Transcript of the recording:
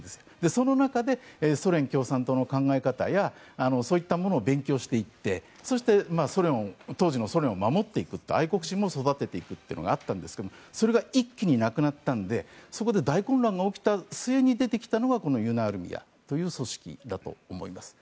その中でソ連共産党の考え方やそういったものを勉強していって当時のソ連を守っていくという愛国心も育てていくのがあったんですが一気になくなったのでそこで大混乱が起きた末に出てきたのがユナルミヤという組織だと思います。